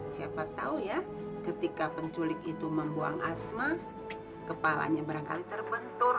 siapa tahu ya ketika penculik itu membuang asma kepalanya barangkali terbentur